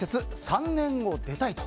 ３年後出たいと。